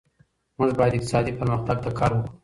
موږ باید اقتصادي پرمختګ ته کار وکړو.